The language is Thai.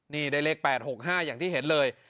นี่ได้เลข๘๖๕อย่างที่เห็นเลย